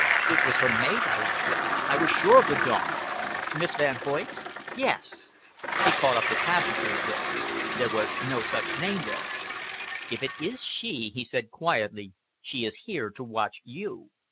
"It was her maid!" I exclaimed. "I was sure of the dog." "Miss Van Hoyt's?" "Yes!" He caught up the passengers list. There was no such name there. "If it is she," he said quietly, "she is here to watch you!